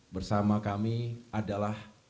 bersama kami adalah